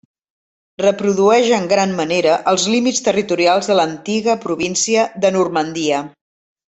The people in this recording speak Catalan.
Reprodueix en gran manera els límits territorials de l'antiga província de Normandia.